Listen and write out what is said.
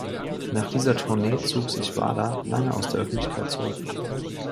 Nach dieser Tournee zog sich Wader lange aus der Öffentlichkeit zurück.